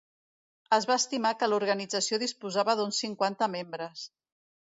Es va estimar que l'organització disposava d'uns cinquanta membres.